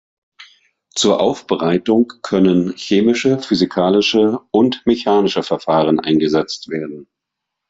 Zur Aufbereitung können chemische, physikalische und mechanische Verfahren eingesetzt werden.